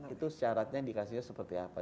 itu syaratnya indikasinya seperti apa